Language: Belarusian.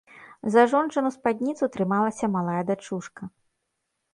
За жончыну спадніцу трымалася малая дачушка.